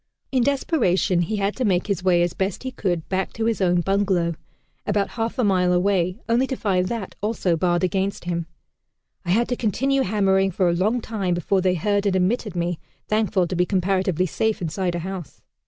In desperation he had to make his way as best he could back to his own bungalow, about half a mile away, only to find that also barred against him. "I had to continue hammering for a long time before they heard and admitted me, thankful to be comparatively safe inside a house."